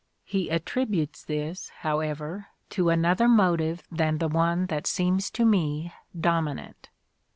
He attributes this, however, to another motive than the one that seems to me dominant.